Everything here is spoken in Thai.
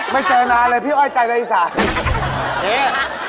ไม่เจอนานเลยพี่อ้อยใจได้อีสาน